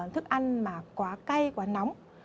thức ăn mà quá cay quá nóng